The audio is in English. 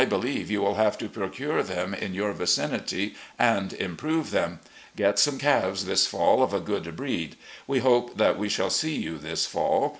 E. LEE 327 believe you will have to procure them in your vicinity and improve them. Get some calves this fall of a good breed. We hope that we shall see you this fall.